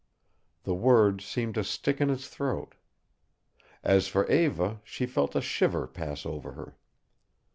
The words seemed to stick in his throat. As for Eva, she felt a shiver pass over her.